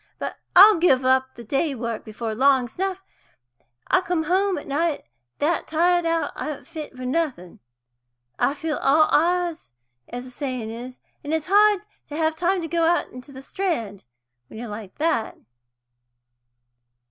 But I'll give up the day work before long, s'nough. I come home at night that tired out I ain't fit for nothing. I feel all eyes, as the sayin' is. And it's hard to have to go out into the Strand, when you're like that."